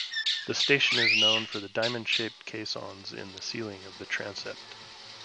The station is known for the diamond-shaped caissons in the ceiling of the transept.